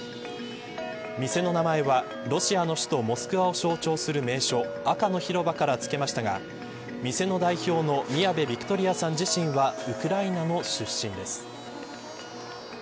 店の名前は、ロシアの首都モスクワを象徴する名所赤の広場からつけましたが店の代表のミヤベ・ビクトリアさんはウクライナの出身です。